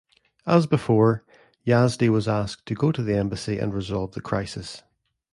As before, Yazdi was asked to go to the embassy and resolve the crisis.